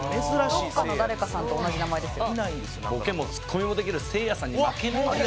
「どこかの誰かさんと同じ名前ですよ」